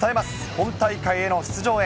本大会への出場へ。